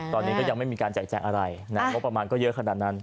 ตอนนี้ก็ยังไม่มีการแจกแจงอะไรนะงบประมาณก็เยอะขนาดนั้น